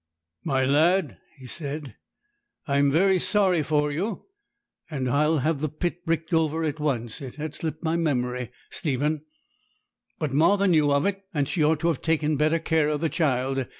'My lad,' he said, 'I'm very sorry for you; and I'll have the pit bricked over at once. It had slipped my memory, Stephen; but Martha knew of it, and she ought to have taken better care of the child.